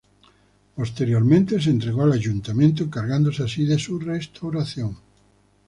Posteriormente se entregó al ayuntamiento, encargándose así de su restauración.